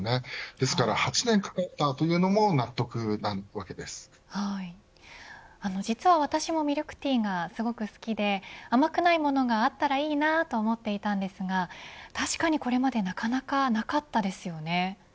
ですから８年かかったというのも実は私もミルクティーがすごく好きで甘くないものがあったらいいなと思っていたんですが確かにこれまでなかなかなかったですよね。